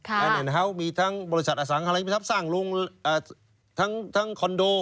อันแอนเฮ้าส์มีทั้งบริษัทอสังค์สร้างลงทั้งคอนโด